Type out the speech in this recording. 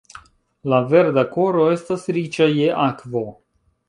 La Verda Koro estas riĉa je akvo.